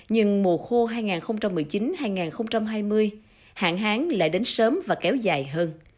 nhưng mùa khô hai nghìn một mươi chín hai nghìn hai mươi hạn hán lại đến sớm và kéo dài hơn